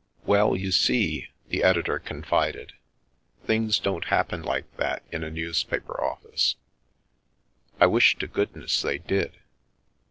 "" Well, you see," the editor confided, " things don't happen like that in a newspaper office. I wish to good ness they did.